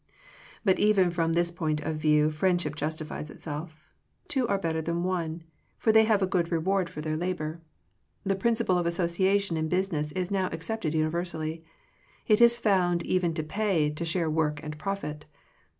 But even from this point of view friend ship justifies itself. Two are better than one; for they have a good reward for 60 Digitized by VjOOQIC THE FRUITS OF FRIENDSHIP their labor. The principle of association in business is now accepted universally. It is found even to pay, to share work and profit.